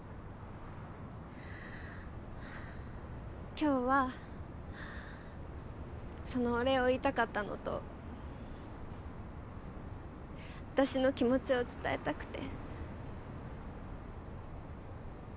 今日はそのお礼を言いたかったのと私の気持ちを伝えたくて。